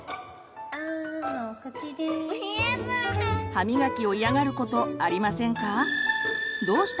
歯みがきを嫌がることありませんか？